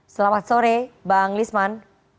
selamat sore bang lisman